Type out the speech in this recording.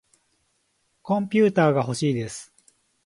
コンピューターがほしいです。